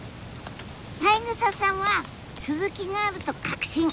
三枝さんは続きがあると確信